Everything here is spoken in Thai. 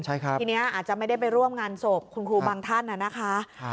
ทีนี้อาจจะไม่ได้ไปร่วมงานศพคุณครูบางท่านน่ะนะคะ